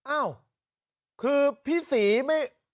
อ้าวคือพี่ศรีไม่